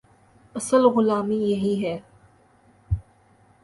اصل غلامی یہی ہے۔